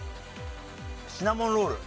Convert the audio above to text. シナモンロール。